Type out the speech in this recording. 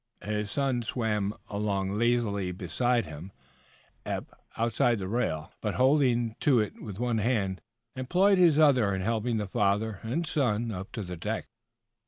His son swam along lazily beside him, Eph, outside the rail, but holding to it with one hand, employed his other in helping the father and son up to the deck.